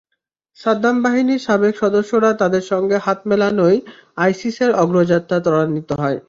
সাদ্দাম বাহিনীর সাবেক সদস্যরা তাঁদের সঙ্গে হাত মেলানোয় আইসিসের অগ্রযাত্রা ত্বরান্বিত হয়।